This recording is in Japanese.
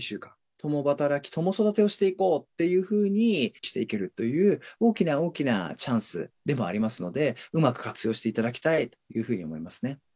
共働き、共育てをしていこうというふうにしていけるという大きな大きなチャンスでもありますので、うまく活用していただきたいというふうに思いますね。